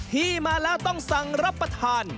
ที่มาแล้วต้องสั่งรับประทาน